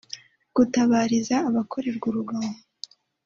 gutabariza abakorerwa urugomo